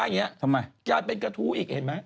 อย่างเงี้ยทำไมแกเป็นกระทู้อีกเห็นมั้ย